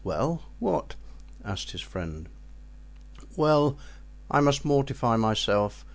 "Well? what?" asked his friend. "Well, I must mortify myself.